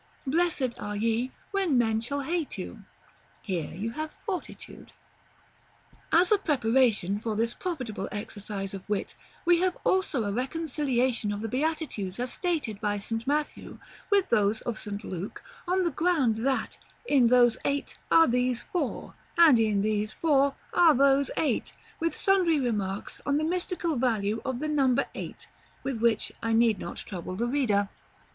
'Blessed are ye when men shall hate you.' Here you have Fortitude." § LIII. As a preparation for this profitable exercise of wit, we have also a reconciliation of the Beatitudes as stated by St. Matthew, with those of St. Luke, on the ground that "in those eight are these four, and in these four are those eight;" with sundry remarks on the mystical value of the number eight, with which I need not trouble the reader.